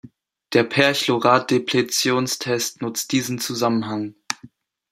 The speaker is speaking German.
Der Perchlorat-Depletions-Test nutzt diesen Zusammenhang.